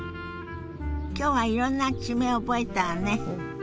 今日はいろんな地名を覚えたわね。